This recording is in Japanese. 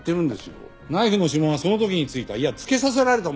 ナイフの指紋はその時に付いたいや付けさせられたものだと。